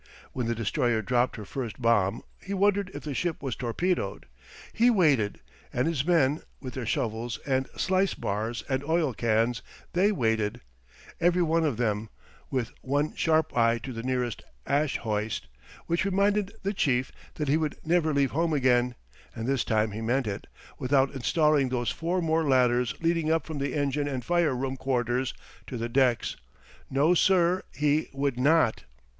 When the destroyer dropped her first bomb he wondered if the ship was torpedoed. He waited, and his men, with their shovels and slice bars and oil cans they waited, every one of them, with one sharp eye to the nearest ash hoist, which reminded the chief that he would never leave home again and this time he meant it without installing those four more ladders leading up from the engine and fire room quarters to the decks. No, sir, he would not.